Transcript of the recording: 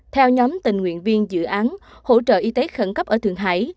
theo nhóm tình nguyện viên dự án hỗ trợ y tế khẩn cấp ở thượng hải